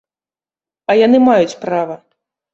А яны маюць права.